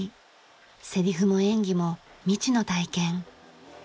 せりふも演技も未知の体験。